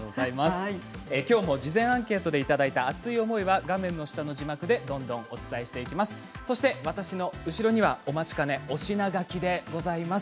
きょうも事前アンケートでいただきました熱い思いは画面の下の字幕でどんどんお伝えしていきます。